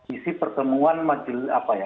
isi pertemuan majelis apa ya